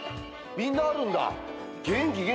みんなあるんだ。